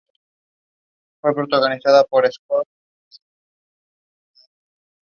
Freleng pronto se unió a Harman e Ising para crear su propio estudio.